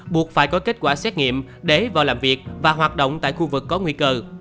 buộc phải có kết quả xét nghiệm để vào làm việc và hoạt động tại khu vực có nguy cơ